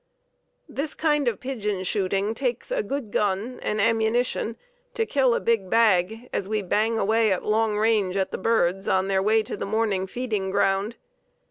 "This kind of pigeon shooting takes a good gun and ammunition to kill a big bag as we bang away at long range at the birds on their way to the morning feeding ground.